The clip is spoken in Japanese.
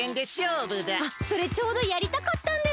あっそれちょうどやりたかったんです！